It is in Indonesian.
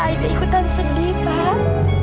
aku tak ikutan sedih pak